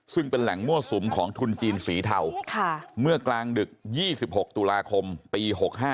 ซึ่งเป็นแหล่งมั่วสุมของทุนจีนสีเทาเมื่อกลางดึก๒๖ตุลาคมปี๖๕